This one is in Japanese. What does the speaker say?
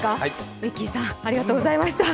ウィッキーさん、ありがとうございました。